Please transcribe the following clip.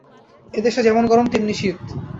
এদেশে যেমন গরম তেমনি শীত।